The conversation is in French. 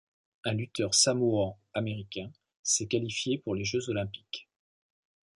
Un lutteur samoan américain s'est qualifié pour les Jeux olympiques.